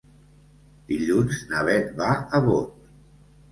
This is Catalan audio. Dilluns na Beth va a Bot.